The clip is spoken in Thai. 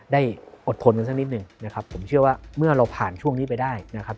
ได้อดทนกันสักนิดหนึ่งนะครับผมเชื่อว่าเมื่อเราผ่านช่วงนี้ไปได้นะครับ